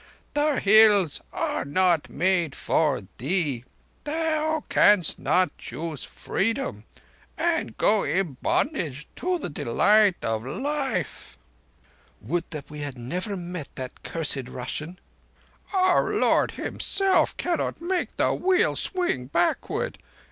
'The Hills are not for thee. Thou canst not choose Freedom and go in bondage to the delight of life.'" "Would we had never met that cursed Russian!" "Our Lord Himself cannot make the Wheel swing backward.